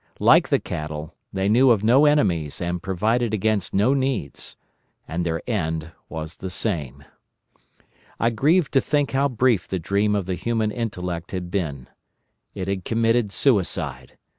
Like the cattle, they knew of no enemies and provided against no needs. And their end was the same. "I grieved to think how brief the dream of the human intellect had been. It had committed suicide.